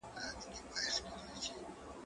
زه اوس د کتابتون کار کوم؟!